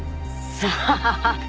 さあ。